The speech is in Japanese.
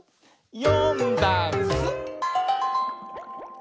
「よんだんす」